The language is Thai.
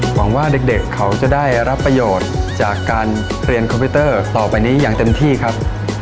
หวังว่าเด็กเขาจะได้รับประโยชน์จากการเรียนคอมพิวเตอร์ต่อไปนี้อย่างเต็มที่ครับ